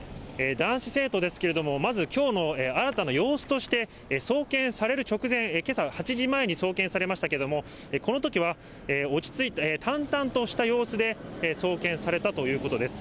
男子生徒ですけれども、まずきょうの新たな様子として、送検される直前、けさ８時前に送検されましたけれども、このときは淡々とした様子で、送検されたということです。